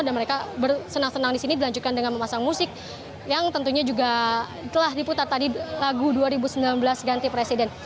dan mereka bersenang senang di sini dilanjutkan dengan memasang musik yang tentunya juga telah diputar tadi lagu dua ribu sembilan belas ganti presiden